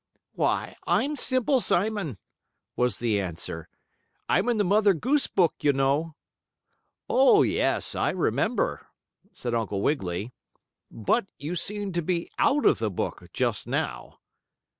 "Why, I'm Simple Simon," was the answer. "I'm in the Mother Goose book, you know." "Oh, yes, I remember," said Uncle Wiggily. "But you seem to be out of the book, just now."